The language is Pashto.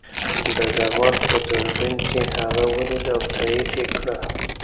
ډګروال په دوربین کې هغه ولید او تایید یې کړه